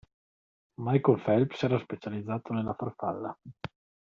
Michael Phelps era specializzato nella farfalla.